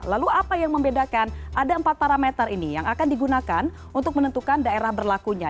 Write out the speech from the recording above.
lalu apa yang membedakan ada empat parameter ini yang akan digunakan untuk menentukan daerah berlakunya